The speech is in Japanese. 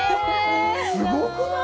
すごくない！？